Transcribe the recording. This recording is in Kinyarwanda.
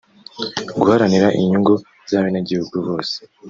guharanira inyugu z’abenegihugu bose